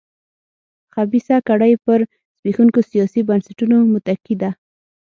خبیثه کړۍ پر زبېښونکو سیاسي بنسټونو متکي ده.